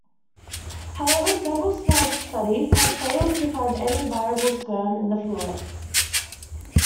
However, several small studies have failed to find any viable sperm in the fluid.